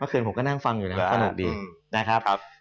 เมื่อคืนผมก็นั่งฟังเลยนะครับ